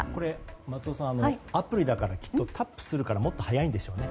松尾さん、アプリだからきっとタップするからもっと速いんでしょうね。